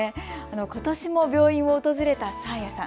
ことしも病院を訪れた紗彩さん。